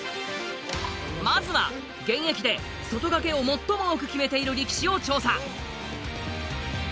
まずは現役で外掛けを最も多く決めている力士を調査。